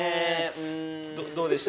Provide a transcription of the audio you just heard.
どうでした？